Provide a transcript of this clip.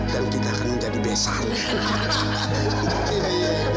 dan kita akan menjadi besarnya